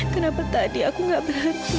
kenapa tadi aku gak berhenti